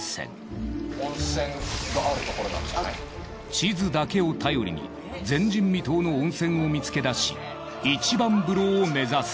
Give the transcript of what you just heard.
地図だけを頼りに前人未踏の温泉を見つけだしイチバン風呂を目指す。